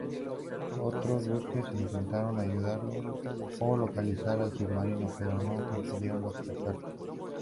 Otros buques, intentaron ayudarlo a localizar al submarino, pero no consiguieron localizarlo.